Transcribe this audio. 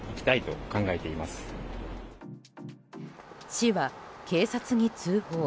市は、警察に通報。